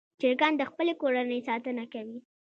چرګان د خپلې کورنۍ ساتنه کوي.